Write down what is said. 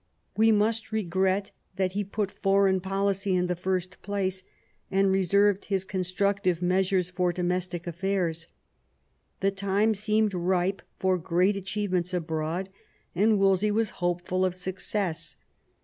We must regret that he put >j^ foreign policy in the first place, and reserved his con structive measures for domestic affiedrs. The time seemed ripe for great achievements abroad, and Wolsey was liopeful of success.